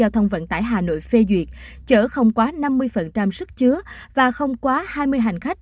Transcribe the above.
giao thông vận tải hà nội phê duyệt chở không quá năm mươi sức chứa và không quá hai mươi hành khách